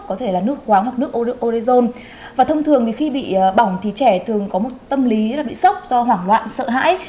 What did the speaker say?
có thể là nước khoáng hoặc nước orezone và thông thường thì khi bị bỏng thì trẻ thường có một tâm lý là bị sốc do hoảng loạn sợ hãi